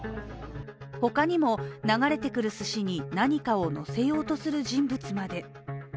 ほかにも流れてくるすしに何かをのせようとする人物まで。